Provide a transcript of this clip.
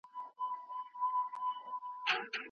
په کندهار کي د مړزانو جنګول ولې دود دي؟